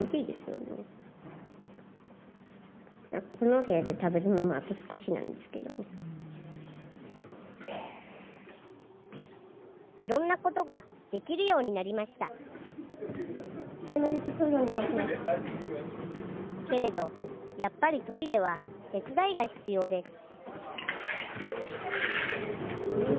この部屋で食べるのもあと少しなんですけどね色んなことができるようになりましたけれどやっぱりトイレは手伝いが必要です